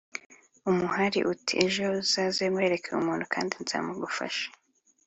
umuhari uti ” ejo uzaze nkwereke umuntu kandi nzamugufasha.